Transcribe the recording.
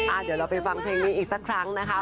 เดี๋ยวเราไปฟังเพลงนี้อีกสักครั้งนะคะ